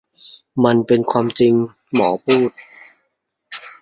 นั่นเป็นความจริงหมอพูด